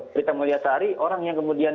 prita mulyasari orang yang kemudian